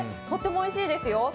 とてもおいしいですよ